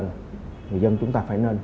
người dân chúng ta phải nên